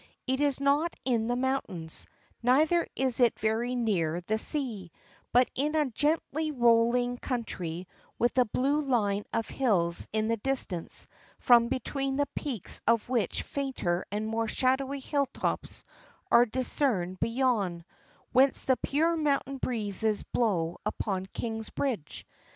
It is not in the mountains, neither is it very near the sea, but in a gently roll ing country with a blue line of hills in the dis tance from between the peaks of which fainter and more shadowy hilltops are discerned beyond, whence the pure mountain breezes blow upon Kingsbridge.